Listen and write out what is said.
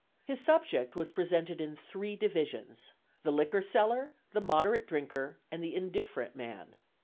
His subject was presented in three divisions: The liquor seller, the moderate drinker, and the indifferent man.